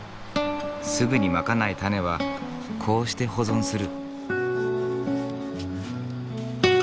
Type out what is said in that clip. すぐにまかない種はこうして保存する。